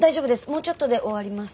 もうちょっとで終わります。